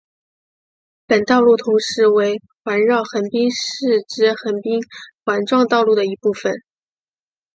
本道路同时为环绕横滨市之横滨环状道路的一部份。